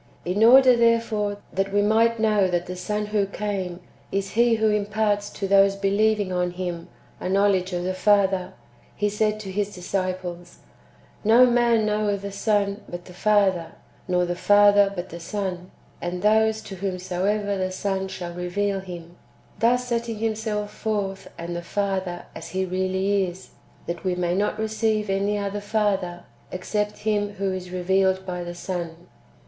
In order, therefore, that we might know that the Son who came is He who imparts to those believing on Him a know ledge of the Father, He said to His disciples :" No man knoweth the Son but the Father, nor the Father but the Son, and those to whomsoever the Son shall reveal Him ;" thus setting Himself forth and the Father as He [really] is, that we may not receive any other Father, except Him who is revealed by the Son.